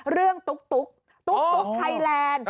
เรื่องตุ๊กตุ๊กไทยแลนด์